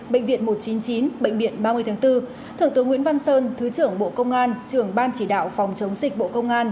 bệnh viện một trăm chín mươi chín bệnh viện ba mươi tháng bốn thượng tướng nguyễn văn sơn thứ trưởng bộ công an trưởng ban chỉ đạo phòng chống dịch bộ công an